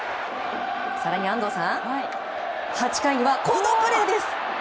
更に安藤さん８回にはこのプレーです。